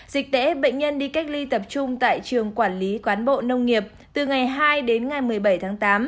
dịch tễ bệnh nhân đi cách ly tập trung tại trường quản lý quán bộ nông nghiệp từ ngày hai đến ngày một mươi bảy tháng tám